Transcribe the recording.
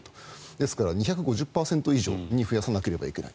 ですから２５０％以上に増やさなければいけない。